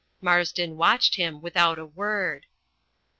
Marsden watched him without a word.